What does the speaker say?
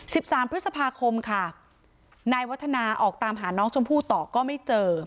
สามพฤษภาคมค่ะนายวัฒนาออกตามหาน้องชมพู่ต่อก็ไม่เจอ